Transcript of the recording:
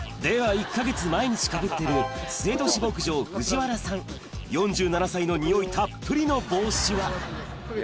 では１か月毎日かぶってるスエトシ牧場藤原さん４７歳のニオイたっぷりの帽子は？